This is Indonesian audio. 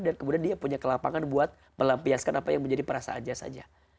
dan kemudian dia punya kelapangan buat melampiaskan apa yang menjadi perasaan dia saja